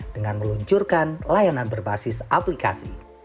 dengan meluncurkan layanan berbasis aplikasi